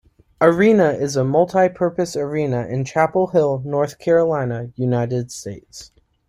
Arena is a multi-purpose arena in Chapel Hill, North Carolina, United States.